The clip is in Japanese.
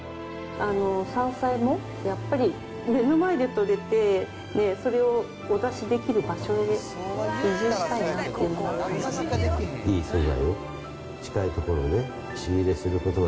山菜もやっぱり目の前で採れて、それをお出しできる場所へ、移住したいなっていうのが。